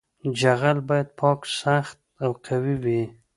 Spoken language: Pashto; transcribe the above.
جغل باید پاک سخت او قوي وي